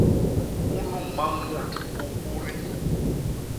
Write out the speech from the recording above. Unu mañ mut u hudi.